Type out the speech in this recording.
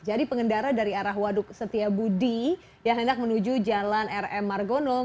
jadi pengendara dari arah waduk setia budi yang hendak menuju jalan rm margonong